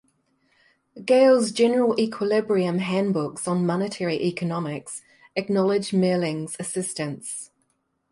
Gale's general equilibrium handbooks on monetary economics acknowledge Merhling's assistance.